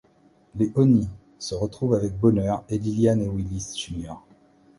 Les Onnis se retrouvent avec bonheur et Liliane et Willis Jr.